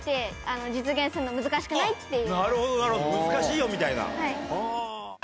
あっなるほどなるほど難しいよみたいなはぁ。